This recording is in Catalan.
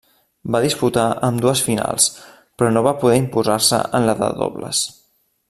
Va disputar ambdues finals però no va poder imposar-se en la de dobles.